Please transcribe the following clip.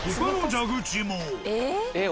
えっ。